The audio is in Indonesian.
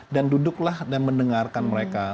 dan duduklah dan mendengarkan mereka